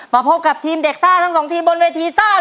มาพบกับทีมเด็กซ่าทั้ง๒ทีมบนเวทีซ่าเลยครับ